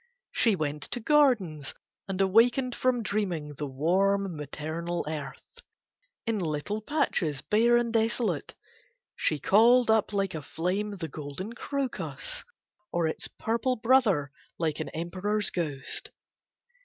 She went to gardens and awaked from dreaming the warm maternal earth. In little patches bare and desolate she called up like a flame the golden crocus, or its purple brother like an emperor's ghost.